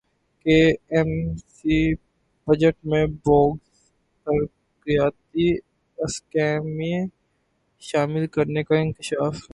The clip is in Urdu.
کے ایم سی بجٹ میں بوگس ترقیاتی اسکیمیں شامل کرنیکا انکشاف